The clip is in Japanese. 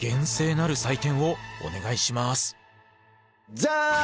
ジャン！